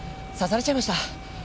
刺されちゃいました。